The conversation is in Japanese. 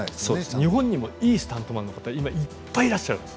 日本にも今、いいスタントマンいっぱいいらっしゃるんです。